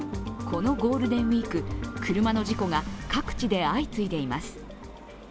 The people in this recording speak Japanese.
このゴールデンウイーク、車の事故が各地で相次いでいます。